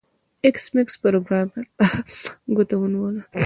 ایس میکس پروګرامر ته ګوته ونیوله